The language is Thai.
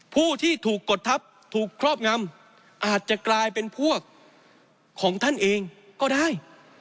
ผู้ที่ถูกกดทัพถูกครอบงำอาจจะกลายเป็นพวกของท่านเองก็ได้